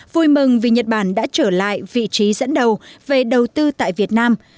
vui mừng vì nhật bản đã trở lại vị trí dẫn đầu về đầu tư tại việt nam